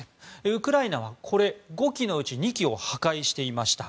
ウクライナは、これ５基のうち２基を破壊していました。